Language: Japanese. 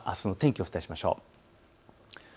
それではあすの天気、お伝えしましょう。